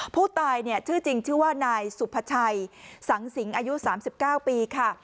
ผู้ตายชื่อจริงชื่อว่านายสุภาชัยสังสิงอายุ๓๙ปีค่ะ